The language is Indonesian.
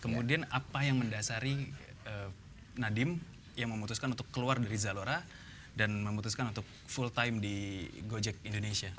kemudian apa yang mendasari nadiem yang memutuskan untuk keluar dari zalora dan memutuskan untuk full time di gojek indonesia